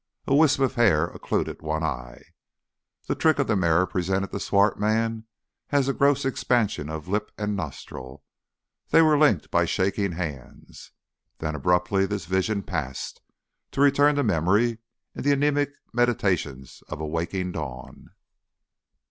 A wisp of hair occluded one eye. The trick of the mirror presented the swart man as a gross expansion of lip and nostril. They were linked by shaking hands. Then abruptly this vision passed to return to memory in the anæmic meditations of a waking dawn.